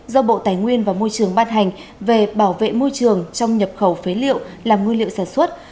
do bộ tài nguyên và môi trường ban hành về bảo vệ môi trường trong nhập khẩu phế liệu làm nguyên liệu sản xuất